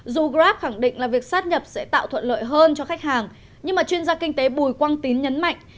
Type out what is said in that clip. dù grab khẳng định là việc sát nhập sẽ tạo thuận lợi hơn cho khách hàng nhưng chuyên gia kinh tế bùi quang tín nhấn mạnh